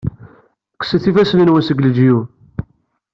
Kkset ifassen-nwen seg leǧyub!